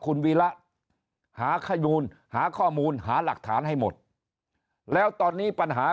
คุณวีระหาขยูนหาข้อมูลหาหลักฐานให้หมดแล้วตอนนี้ปัญหา